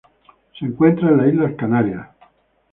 Se encuentran en las Islas Canarias.